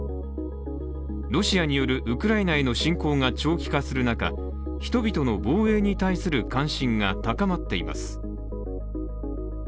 ロシアによるウクライナへの侵攻が長期化する中人々の防衛に対する関心が高まっています。